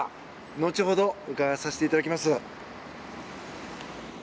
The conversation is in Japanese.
後ほど伺わせていただきます。